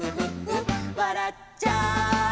「わらっちゃう」